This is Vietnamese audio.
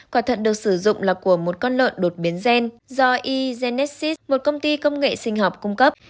quả thận được sử dụng là của một con lợn đột biến gen do e genetsis một công ty công nghệ sinh học cung cấp